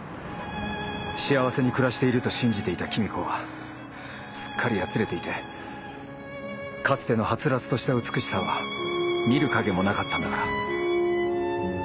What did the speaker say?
幸せに暮らしていると信じていた君子はすっかりやつれていてかつてのはつらつとした美しさは見る影もなかったんだから。